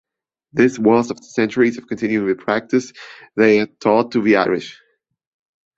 This was after centuries of continuing the practice they had taught to the Irish.